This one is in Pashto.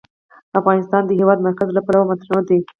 افغانستان د د هېواد مرکز له پلوه متنوع دی.